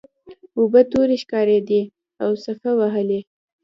اوبه تورې ښکاریدې او څپه وهلې.